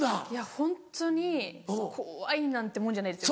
ホントに怖いなんてもんじゃないですよ。